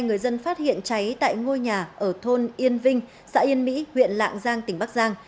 người dân phát hiện cháy tại ngôi nhà ở thôn yên vinh xã yên mỹ huyện lạng giang tỉnh bắc giang